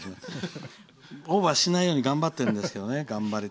オーバーしないように頑張ってるんですけどね。